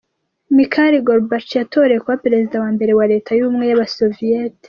Mikhail Gorbachev yatorewe kuba perezida wa mbere wa Leta y’ubumwe y’abasoviyeti.